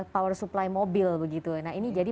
power supply mobil begitu nah ini jadi